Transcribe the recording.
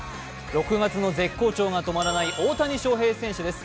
６月の絶好調が止まらない大谷翔平選手です。